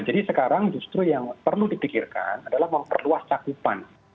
jadi sekarang justru yang perlu dipikirkan adalah memperluas cakupan